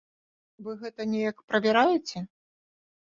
Вы гэта неяк правяраеце?